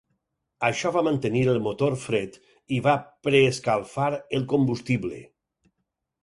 Això va mantenir el motor fred i va pre-escalfar el combustible.